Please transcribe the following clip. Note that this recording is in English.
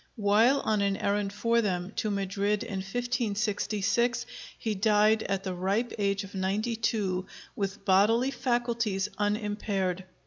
While on an errand for them to Madrid in 1566, he died at the ripe age of ninety two, with bodily faculties unimpaired.